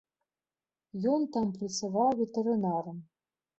Ён там працаваў ветэрынарам.